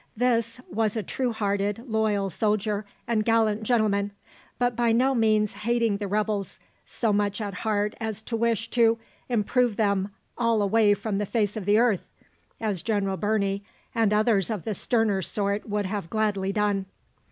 This was a true hearted, loyal soldier and gallant gentleman, but by no means hating the rebels so much at heart as to wish to "improve them all away from the face of the earth," as General Birney and others of the sterner sort would have gladly done.